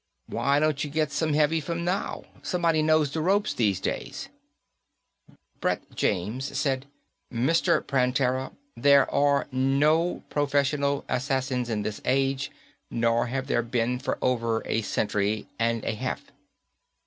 Why don't you get some heavy from now? Somebody knows the ropes these days." Brett James said, "Mr. Prantera, there are no professional assassins in this age, nor have there been for over a century and a half."